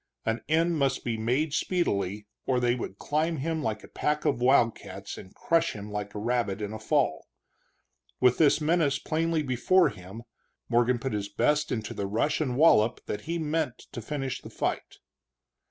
An end must be made speedily, or they would climb him like a pack of wildcats and crush him like a rabbit in a fall. With this menace plainly before him, Morgan put his best into the rush and wallop that he meant to finish the fight.